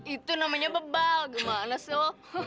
itu namanya bebal gimana sih lo